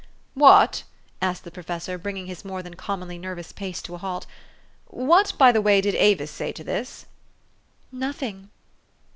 "What," asked the professor, bringing his more than commonly nervous pace to a halt, "what, by the way, did Avis say to this ?" "Nothing."